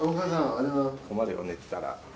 困るよ寝てたら。